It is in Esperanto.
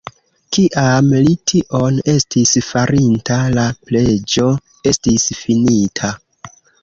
Kiam li tion estis farinta, la preĝo estis finita.